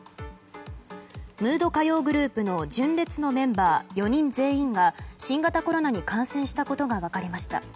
ムード歌謡グループの純烈のメンバー４人全員が新型コロナに感染したことが分かりました。